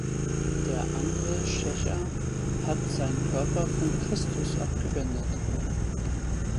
Der andere Schächer hat seinen Körper von Christus abgewendet.